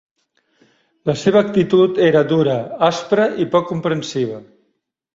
La seva actitud era dura, aspra i poc comprensiva.